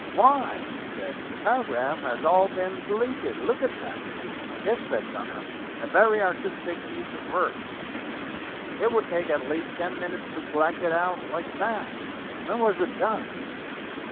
"Why," he said, "the paragraph has all been deleted. Look at that." 238 STORIES WITHOUT TEARS "Yes," said Dunham: "a very artistic piece of work. It would take at least ten minutes to black it out like that. When was it done?"